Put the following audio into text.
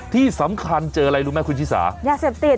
ที่สำคัญเจออะไรรู้ไหมคุณชิสายาเสพติด